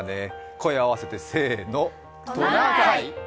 声を合わせて、せーの、トナカイ！